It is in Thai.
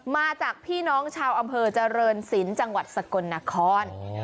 มาจากพี่น้องชาวอำเภอเจริญศิลป์จังหวัดสกลนคร